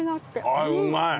あっうまい。